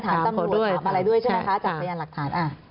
ถามตำรวจถามอะไรด้วยใช่ไหมคะจากสัญญาณหลักฐานอ่ะถามเขาด้วยใช่